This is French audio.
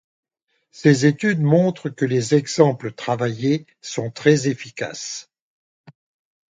Ces études montrent que les exemples travaillés sont très efficaces.